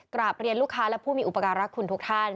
กราบเรียนลูกค้าและผู้มีอุปการรักคุณทุกท่าน